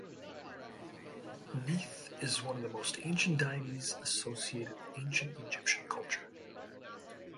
Neith is one of the most ancient deities associated with ancient Egyptian culture.